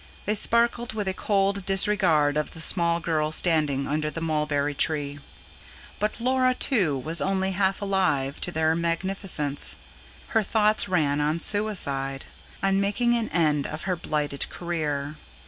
They sparkled with a cold disregard of the small girl standing under the mulberry tree; but Laura, too, was only half alive to their magnificence. Her thoughts ran on suicide, on making an end of her blighted career.